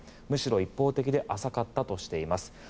むしろ一方的で浅かったとしています。